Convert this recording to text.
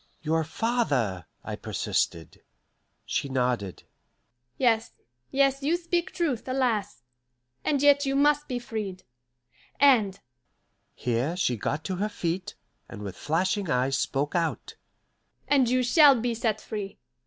"Your father " I persisted. She nodded. "Yes, yes, you speak truth, alas! And yet you must be freed. And" here she got to her feet, and with flashing eyes spoke out "and you shall be set free.